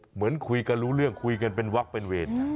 เหมือนคุยกันรู้เรื่องคุยกันเป็นวักเป็นเวท